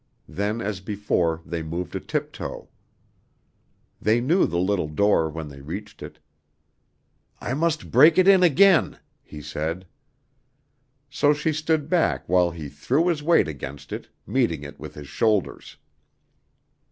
Then as before they moved a tiptoe. They knew the little door when they reached it. "I must break it in again," he said. So she stood back while he threw his weight against it, meeting it with his shoulders.